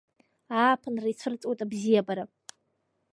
Ааԥынра ицәырҵуеит абзиабара.